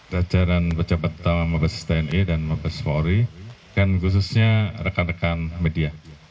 jajaran pejabat utama mabes tni dan mabes polri dan khususnya rekan rekan media